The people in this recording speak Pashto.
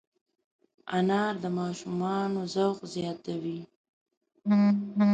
انار د ماشومانو ذوق زیاتوي.